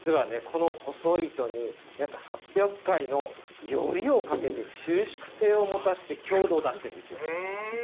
細い糸に約８００回のよりをかけて収縮作用を持たせて強度を出しているんです。